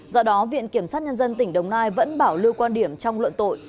do đó viện kiểm sát nhân dân tỉnh đồng nai vẫn bảo lưu quan điểm trong luận tội